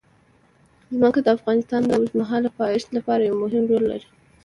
ځمکه د افغانستان د اوږدمهاله پایښت لپاره یو مهم رول لري.